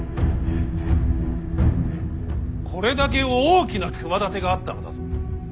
これだけ大きな企てがあったのだぞ。